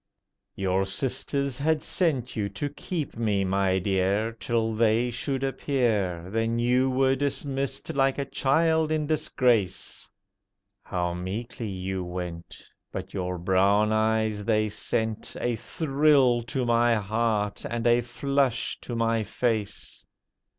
Your sisters had sent you to keep me, my dear, Till they should appear. Then you were dismissed like a child in disgrace. How meekly you went! But your brown eyes, they sent A thrill to my heart, and a flush to my face.